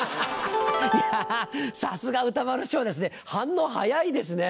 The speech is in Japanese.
いやさすが歌丸師匠ですね